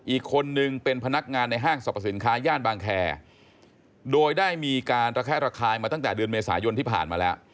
อีกคนนึงเป็นพนักงานในห้างสรรพสินค้าย่านบางแคโดยได้มีการระแคะระคายมาตั้งแต่เดือนเมษายนที่ผ่านมาแล้ว